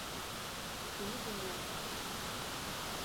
Bunu dinle.